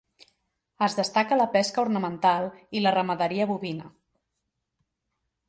Es destaca la pesca ornamental i la ramaderia bovina.